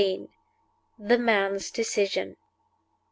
THE MAN'S DECISION.